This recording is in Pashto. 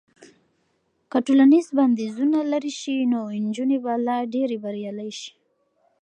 که ټولنیز بندیزونه لرې شي نو نجونې به لا ډېرې بریالۍ شي.